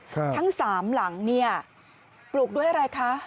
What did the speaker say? ทั้งสามหลังเนี่ยปลูกด้วยอะไรคะ